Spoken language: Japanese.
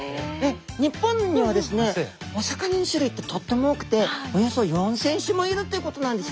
日本にはですねお魚の種類ってとっても多くておよそ４，０００種もいるということなんです。